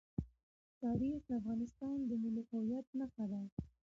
تاریخ د افغانستان د ملي هویت نښه ده.